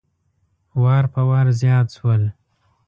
وار په وار زیات شول.